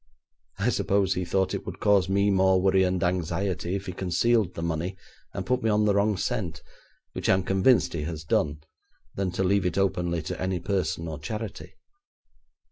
I suppose he thought it would cause me more worry and anxiety if he concealed the money, and put me on the wrong scent, which I am convinced he has done, than to leave it openly to any person or charity.'